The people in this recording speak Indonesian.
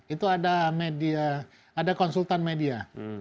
itu ada konsultan media